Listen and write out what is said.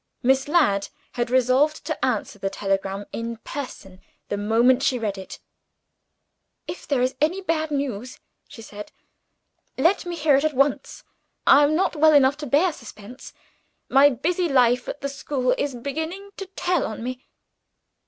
Miss Ladd had resolved to answer the telegram in person, the moment she read it. "If there is bad news," she said, "let me hear it at once. I am not well enough to bear suspense; my busy life at the school is beginning to tell on me."